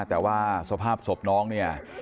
แต่ว่าสภาพศพน้องเนี่ย